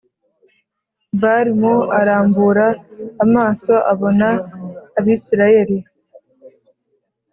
Bal mu arambura amaso abona Abisirayeli